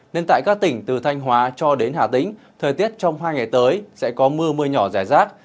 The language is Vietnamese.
nên tại các tỉnh từ thanh hóa cho đến hà tĩnh thời tiết trong hai ngày tới sẽ có mưa mưa nhỏ rải rác